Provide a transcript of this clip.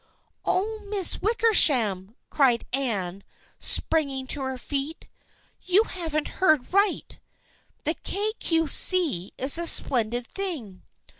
" Oh, Miss Wickersham !" cried Anne, spring ing to her feet. " You haven't heard right ! The Kay Cue See is a splendid thing.